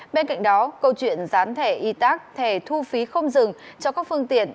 bên cạnh đó câu chuyện rán thẻ y tác thẻ thu phí không dừng cho các phương tiện